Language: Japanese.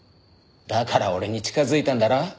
だから俺に近づいたんだろ？